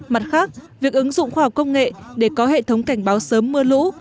mặt khác việc ứng dụng khoa học công nghệ để có hệ thống cảnh báo sớm mưa lũ